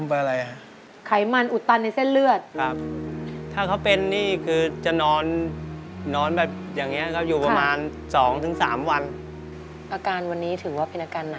อาการวันนี้ถือว่าเป็นอาการหนัก